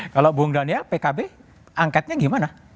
kalau bung daniel pkb angketnya gimana